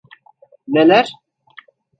Neler?